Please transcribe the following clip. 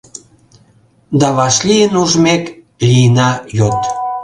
Да, вашлийын ужмек, лийна йот